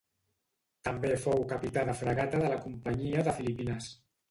També fou capità de fragata de la Companyia de Filipines.